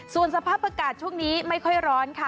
ส่วนสภาพอากาศช่วงนี้ไม่ค่อยร้อนค่ะ